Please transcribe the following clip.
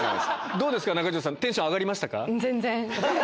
どうですか中条さんテンション上がりましたか？